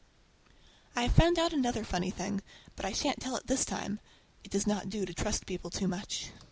I have found out another funny thing, but I shan't tell it this time! It does not do to trust people too much.